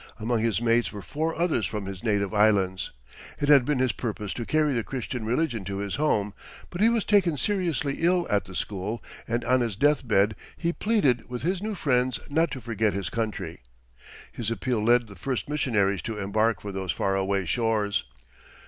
Among his mates were four others from his native islands. It had been his purpose to carry the Christian religion to his home, but he was taken seriously ill at the school and on his death bed he pleaded with his new friends not to forget his country. His appeal led the first missionaries to embark for those far away shores.